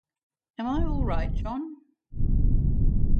Am I all right, John?